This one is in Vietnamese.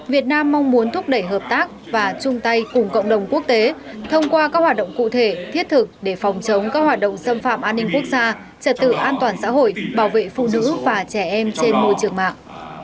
việt nam mong muốn thúc đẩy hợp tác và chung tay cùng cộng đồng quốc tế thông qua các hoạt động cụ thể thiết thực để phòng chống các hoạt động xâm phạm an ninh quốc gia trật tự an toàn xã hội bảo vệ phụ nữ và trẻ em trên môi trường mạng